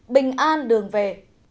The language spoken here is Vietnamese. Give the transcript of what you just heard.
bình an đường về